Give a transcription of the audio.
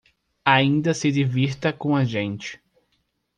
Ainda se divirta com a gente.